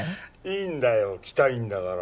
いいんだよ来たいんだから。